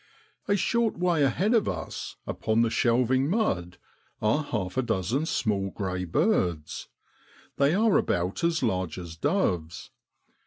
A short way ahead of us, upon the shelving mud, are half a dozen small grey birds. They are about as large as doves.